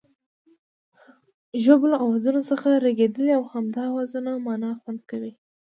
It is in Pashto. ژبه له آوازونو څخه رغېدلې او همدا آوازونه مانا خوندي کوي